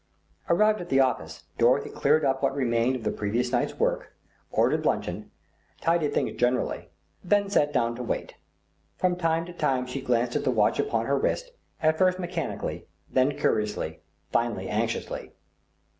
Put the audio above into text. Arrived at the office Dorothy cleared up what remained of the previous night's work, ordered luncheon, tidied things generally, and then sat down to wait. From time to time she glanced at the watch upon her wrist, at first mechanically, then curiously, finally anxiously.